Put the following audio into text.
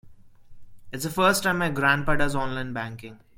It's the first time my grandpa does online banking.